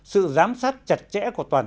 sự giám sát chặt chẽ của toàn